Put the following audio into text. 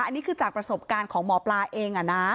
อันนี้คือจากประสบการณ์ของหมอปลาเอง